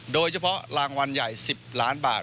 โดยเฉพาะรางวัลใหญ่๑๐ล้านบาท